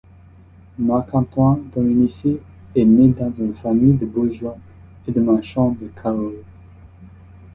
Marc-Antoine Dominicy est né dans une famille de bourgeois et de marchands de Cahors.